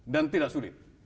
dan tidak sulit